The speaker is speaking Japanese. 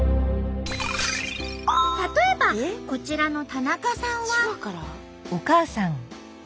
例えばこちらの田中さんは。